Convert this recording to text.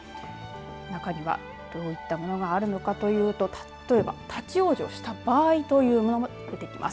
中には、どういったものがあるのかというと例えば立ち往生した場合というのを見ていきます。